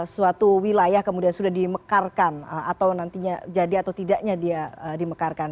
suatu wilayah kemudian sudah dimekarkan atau nantinya jadi atau tidaknya dia dimekarkan